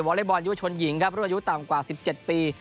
วอเล็กบอลยุชนหญิงรื่อยุต่ำกว่า๑๗ปี